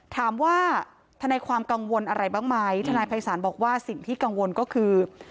ทนายความกังวลอะไรบ้างไหมทนายภัยศาลบอกว่าสิ่งที่กังวลก็คือ